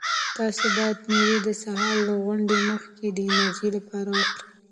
تاسو باید مېوې د سهار له غونډو مخکې د انرژۍ لپاره وخورئ.